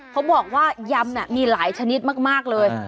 บอกว่ายำมีหลายชนิดมากเลย